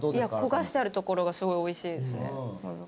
焦がしてあるところがすごいおいしいですね。